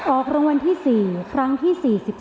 ออกรางวัลที่๔ครั้งที่๔๒